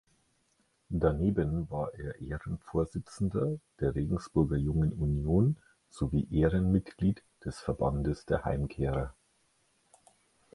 Daneben war er Ehrenvorsitzender der Regensburger Jungen Union sowie Ehrenmitglied des Verbandes der Heimkehrer.